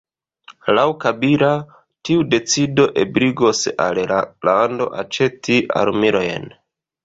Laŭ Kabila, tiu decido ebligos al la lando aĉeti armilojn.